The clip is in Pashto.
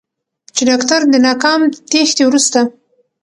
چې داکتر د ناکام تېښتې وروسته